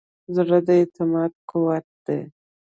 زړه د اعتماد قوت دی.